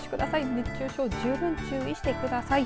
熱中症十分注意してください。